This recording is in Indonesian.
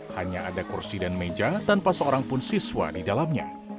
hanya ada kursi dan meja tanpa seorang pun siswa di dalamnya